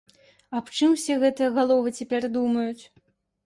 Аб чым усе гэтыя галовы цяпер думаюць.